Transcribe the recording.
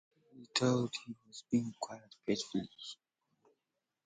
He thought he was being quite faithful to her.